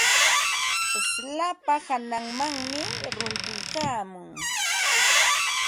Slapa hananmanmi runtuykaamun.